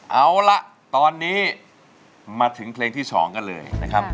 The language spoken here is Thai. เอาละตอนนี้มาถึงเพลงที่๒กันเลยนะครับ